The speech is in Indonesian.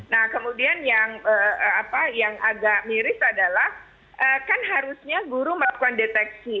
nah kemudian yang agak miris adalah kan harusnya guru melakukan deteksi